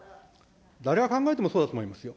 誰が考えてもそうだと思いますよ。